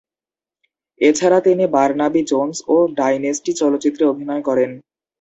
এছাড়া তিনি "Bernabéu Jones" ও "dynasty" চলচ্চিত্রে অভিনয় করেন।